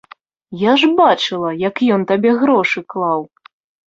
Я ж бачыла, як ён табе грошы клаў.